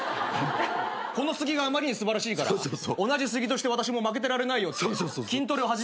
この杉があまりに素晴らしいから同じ杉として私も負けてられないよって筋トレを始めた？